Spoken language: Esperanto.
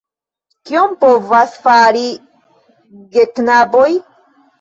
Kion povas fari geknaboj?